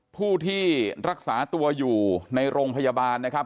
ผู้ที่รักษาตัวอยู่ในโรงพยาบาลนะครับ